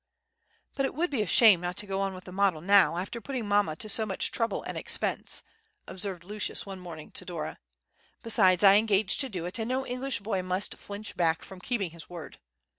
"But it would be a shame not to go on with the model now, after putting mamma to so much trouble and expense," observed Lucius one morning to Dora. "Besides, I engaged to do it, and no English boy must flinch back from keeping his word.